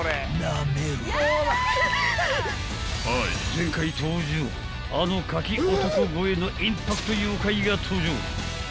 ［前回登場あの柿男超えのインパクト妖怪が登場］